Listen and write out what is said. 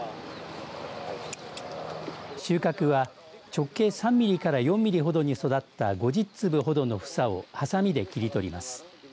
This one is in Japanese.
収穫は直径３ミリから４ミリほどに育った５０粒ほどの房をはさみで切り取ります。